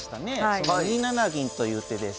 その２七銀という手です。